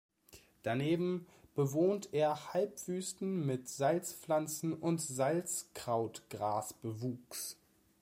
Daneben bewohnt er Halbwüsten mit Salzpflanzen- und Salzkraut-Gras-Bewuchs.